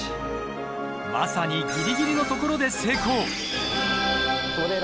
まさにギリギリのところで成功。